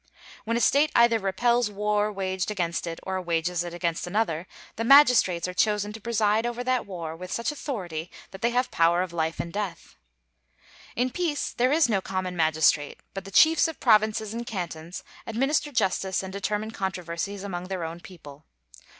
When a State either repels war waged against it or wages it against another, magistrates are chosen to preside over that war with such authority that they have power of life and death. In peace there is no common magistrate, but the chiefs of provinces and cantons administer justice and determine controversies among their own people.